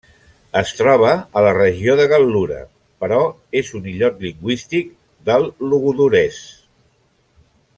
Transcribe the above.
Es troba a la regió de Gal·lura, però és un illot lingüístic del logudorès.